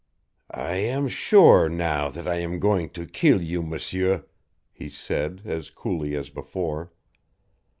"I am sure now that I am going to kill you, M'seur," he said, as coolly as before.